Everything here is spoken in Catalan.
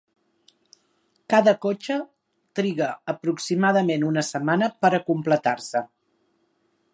Cada cotxe triga aproximadament una setmana per a completar-se.